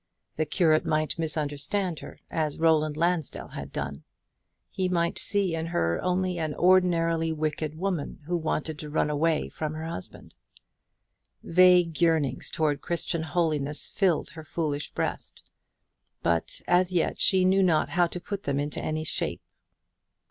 The curate might misunderstand her, as Roland Lansdell had done. He might see in her only an ordinarily wicked woman, who wanted to run away from her husband. Vague yearnings towards Christian holiness filled her foolish breast; but as yet she knew not how to put them into any shape.